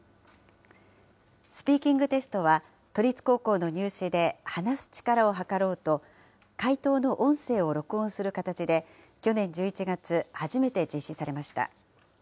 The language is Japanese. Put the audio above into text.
スピーキングテストは、都立高校の入試で話す力をはかろうと、解答の音声を録音する形で去年１１月、初めて実施されました。